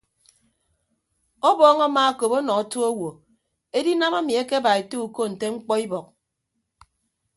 Ọbọọñ amaakop ọnọ otu owo edinam emi akeba ete uko nte mkpọ ibọk.